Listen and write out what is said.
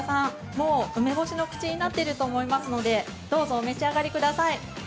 もう梅干しの口になっていると思いますのでどうぞお召し上がりください。